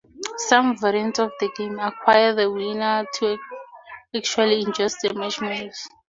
Some variants of the game require the winner to actually ingest the marshmallows.